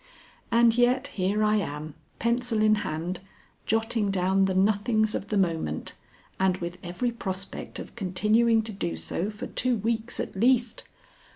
And yet here I am, pencil in hand, jotting down the nothings of the moment, and with every prospect of continuing to do so for two weeks at least.